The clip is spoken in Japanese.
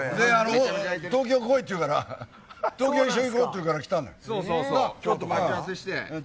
東京来いって言うから一緒にいこうっていうから来たのよ。